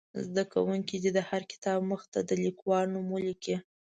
زده کوونکي دې د هر کتاب مخ ته د لیکوال نوم ولیکي.